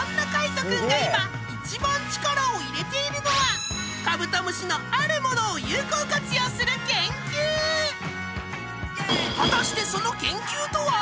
大くんが今一番力を入れているのはカブトムシのあるものを有効活用する研究果たしてその研究とは？